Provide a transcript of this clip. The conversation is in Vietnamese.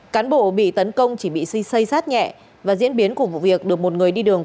cán bộ bị tấn công chỉ bị xây xây sát nhẹ và diễn biến của vụ việc được một người đi đường